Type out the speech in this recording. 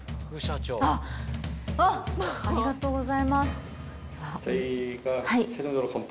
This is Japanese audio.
ありがとうございます。